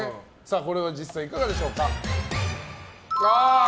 これは実際いかがでしょうか。